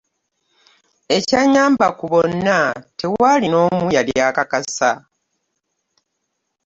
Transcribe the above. Ekyannyamba, ku bonna tewali n'omu yali akakasa.